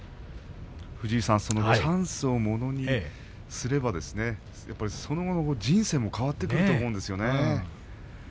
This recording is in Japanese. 藤井さんそのチャンスをものにすればその後の人生も変わってくると思うんですよね。